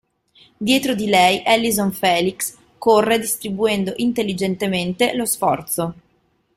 Dietro di lei Allyson Felix corre distribuendo intelligentemente lo sforzo.